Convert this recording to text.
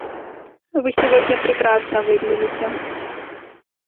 Вы сегодня прекрасно выглядите!